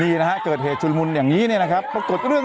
อีกมุมนึงอีกมุมนึง